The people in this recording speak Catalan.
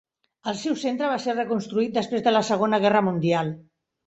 El seu centre va ser reconstruït després de la Segona Guerra Mundial.